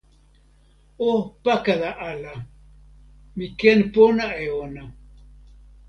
o pakala ala! mi ken pona e ona.